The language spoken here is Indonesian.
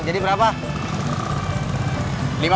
ya bang terima kasih ya